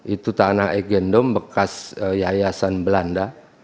itu tanah egendom bekas yayasan belanda